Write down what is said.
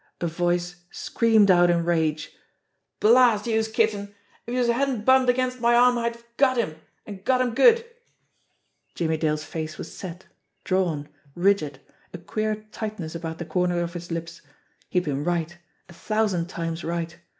A voice screamed out in rage : "Blast youse, Kitten, if youse hadn't bumped against my arm I'd have got him, an' got him good !" Jimmie Dale's face was set, drawn, rigid, a queer tightness about the corner of his lips. He had been right, a thousand times right!